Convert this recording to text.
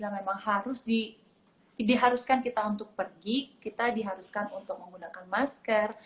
memang harus diharuskan kita untuk pergi kita diharuskan untuk menggunakan masker